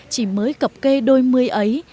chỉ mới cập cây đôi mươi ấy